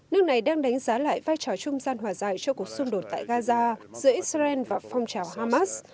nước này đang đánh giá lại vai trò trung gian hòa giải cho cuộc xung đột tại gaza giữa israel và phong trào hamas